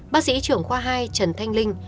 bác sĩ trưởng khoa hai trần thanh linh